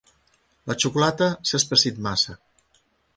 La xocolata s'ha espessit massa.